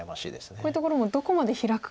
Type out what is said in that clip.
こういうところもどこまでヒラくかとか。